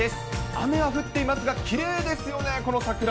雨は降っていますが、きれいですよね、この桜。